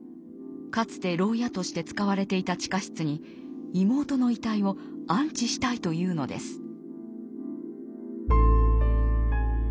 かつて牢屋として使われていた地下室に妹の遺体を安置したいというのです。